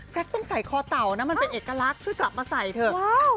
ต้องใส่คอเต่านะมันเป็นเอกลักษณ์ช่วยกลับมาใส่เถอะ